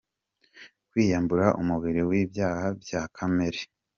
kwiyambura umubiri w’ibyaha bya kamere